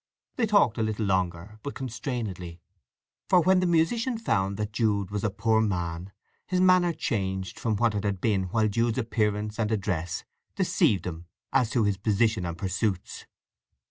They talked a little longer, but constrainedly, for when the musician found that Jude was a poor man his manner changed from what it had been while Jude's appearance and address deceived him as to his position and pursuits.